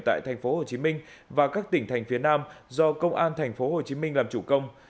tại tp hcm và các tỉnh thành phía nam do công an tp hcm làm chủ công